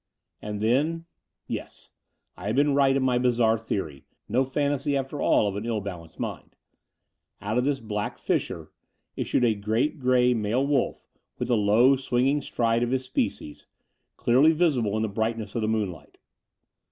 And then ... yes, I had been right in my bizarre theory, no fantasy, after all, of an ill balanced mind ... out of this black fisstire issued a great grey male wolf with the low swinging stride of his species, clearly visible in the brightness of the moonlight.